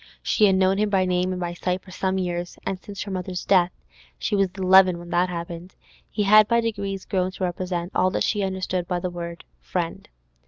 She had known him by name and by sight for some years, and since her mother's death (she was eleven when that happened) he had by degrees grown to represent all that she understood by the word 'friend.